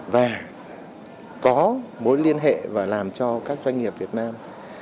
và có mối liên hệ và làm cho các doanh nghiệp việt nam